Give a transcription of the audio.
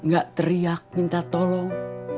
gak teriak minta tolong